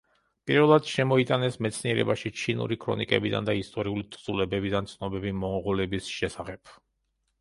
პირველად შემოიტანეს მეცნიერებაში ჩინური ქრონიკებიდან და ისტორიული თხზულებებიდან ცნობები მონღოლების შესახებ.